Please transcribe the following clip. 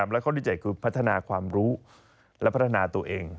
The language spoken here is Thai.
และข้อดีใจคือพัฒนาความรู้และพัฒนาตัวเอง